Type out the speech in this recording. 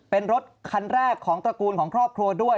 เป็นรถคันแรกของตระกูลของครอบครัวด้วย